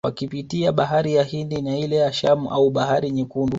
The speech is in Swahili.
Wakipitia bahari ya Hindi na ile ya Shamu au bahari Nyekundu